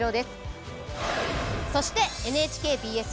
そしてＮＨＫＢＳ